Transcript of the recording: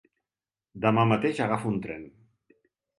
Demà mateix agafo un tren.